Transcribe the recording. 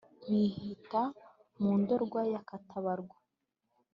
Bihita mu Ndorwa ya Katabarwa